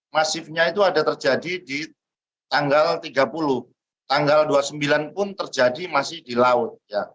masifnya itu ada terjadi di tanggal tiga puluh tanggal dua puluh sembilan pun terjadi masih di laut